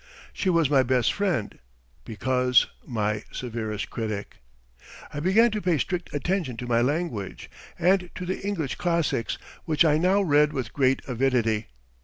She was my best friend, because my severest critic. I began to pay strict attention to my language, and to the English classics, which I now read with great avidity.